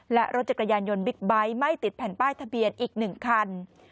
และรถจักรยานยนต์บิ๊กไบท์ไม่ติดแผ่นป้ายทะเบียนอีก๑คัน